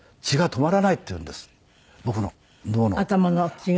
頭の血が。